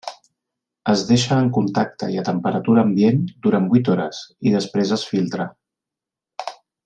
Es deixa en contacte i a temperatura ambient durant vuit hores i després es filtra.